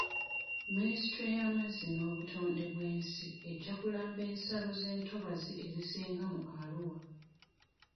Minisitule y'amazzi n'obutonde bw'ensi ejja kulamba ensalo z'entobazi ezisinga mu Arua.